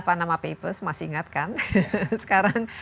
panama papers masih ingat kan sekarang